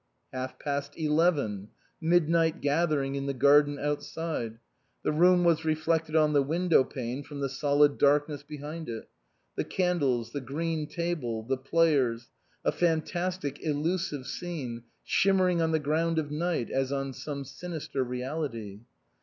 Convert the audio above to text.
Half past eleven. Midnight gathering in the garden outside. The room was reflected on the window pane from the solid darkness behind it the candles, the green table, the players a fantastic, illusive scene, shimmering on the ground of night as on some sinister reality.